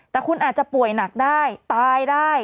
แต่คุณอาจจะป่วยหนักได้ตายได้